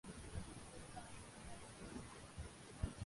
তিনি ডানহাতি ব্যাটসম্যান।